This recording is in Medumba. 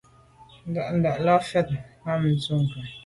Ndà’ndà’ lα mfɛ̂l ὰm Ndʉ̂kə.